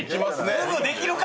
すぐできるか！